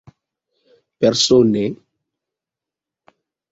Persone.